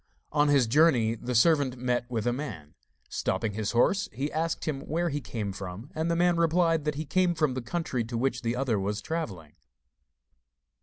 On his journey the servant met with a man. Stopping his horse he asked him where he came from, and the man replied that he came from the country to which the other was travelling.